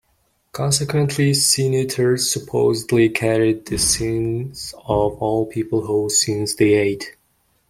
Consequently, sin-eaters supposedly carried the sins of all people whose sins they ate.